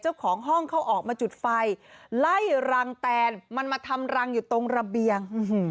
เจ้าของห้องเขาออกมาจุดไฟไล่รังแตนมันมาทำรังอยู่ตรงระเบียง